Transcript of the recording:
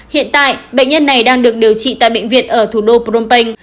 hiện tại bệnh nhân này đang được điều trị tại bệnh viện ở thủ đô phnom penh